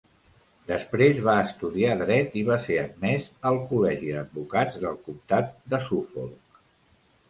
Després va estudiar dret i va ser admès al col·legi d'advocats del comtat de Suffolk.